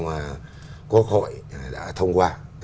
mà quốc hội đã thông qua